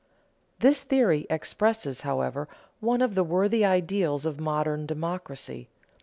This theory expresses, however, one of the worthy ideals of modern democracy.